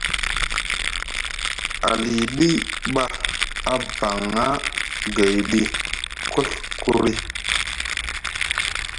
Aliɗi ɓa abaŋa gayɗi kuɵkuri.